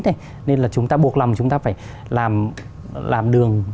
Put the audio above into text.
thế nên là chúng ta buộc lòng chúng ta phải làm đường